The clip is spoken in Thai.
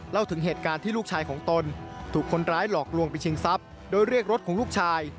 เล่าถึงเหตุการณ์ที่ลูกชายของตนถูกคนร้ายหลอกลวงไปชิงทรัพย์โดยเรียกรถของลูกชาย